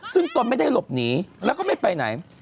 ซึ่งตนไม่ได้หลบหนีแล้วก็ไม่ไปไหน